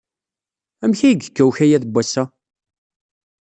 Amek ay yekka ukayad n wass-a?